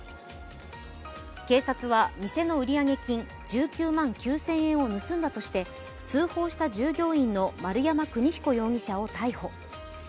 警察は店の売上金１９万９０００円を盗んだとして通報した従業員の丸山国彦容疑者を逮捕。